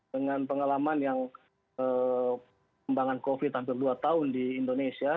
dengan pengalaman yang kembangan covid hampir dua tahun di indonesia